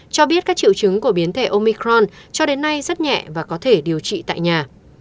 cho biết các triệu chứng của biến thể omicron cho đến nay rất nhẹ và có thể điều trị tại nhà